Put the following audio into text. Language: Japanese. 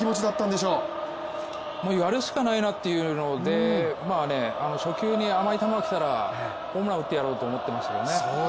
もうやるしかないという気持ちで初球に球がきたらホームランを打ってやろうと思ってましたけどね。